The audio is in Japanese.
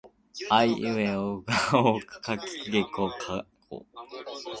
あえいうえおあおかけきくけこかこ